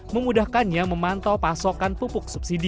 memudahkannya memantau pasokan pupuk subsidi